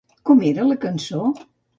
Com era la cançó?